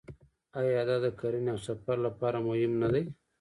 آیا دا د کرنې او سفر لپاره مهم نه دی؟